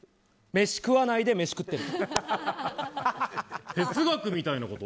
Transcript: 飯食わないで飯食ってる。